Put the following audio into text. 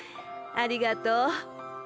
ありがとう。